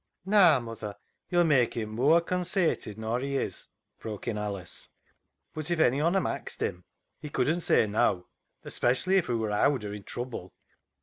" Naa, mother, yo'll mak' him mooar consated nor he is," broke in Alice, " but if ony on 'em axed him he couldn't say neaw, especially if hoo wor owd or i' trouble."